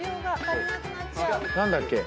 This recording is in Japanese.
何だっけ？